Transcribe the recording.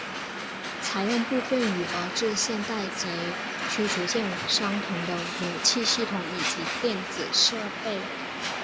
采用部分与俄制现代级驱逐舰相同的武器系统以及电子设备。